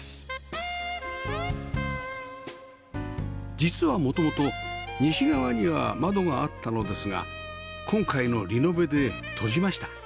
実は元々西側には窓があったのですが今回のリノベで閉じました